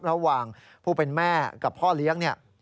ระหว่างผู้เป็นแม่กับพ่อเลี้ยงเนี่ย